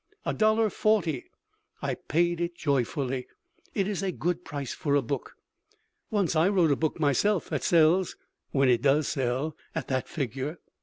"A dollar forty." I paid it joyfully. It is a good price for a book. Once I wrote a book myself that sells (when it does sell) at that figure.